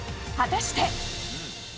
果たして。